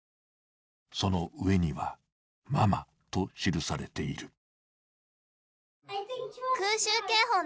その上には、ママと記されている。